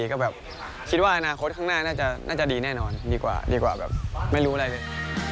ก็แบบคิดว่าอนาคตข้างหน้าน่าจะดีแน่นอนดีกว่าดีกว่าแบบไม่รู้อะไรเลย